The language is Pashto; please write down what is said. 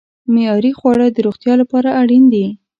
معیاري خواړه د روغتیا لپاره اړین دي.